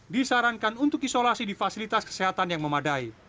disarankan untuk isolasi di fasilitas kesehatan yang memadai